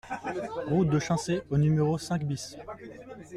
Route de Chincé au numéro cinq BIS